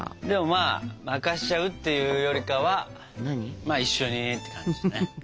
でもまあ任しちゃうっていうよりかはまあ一緒にって感じだね。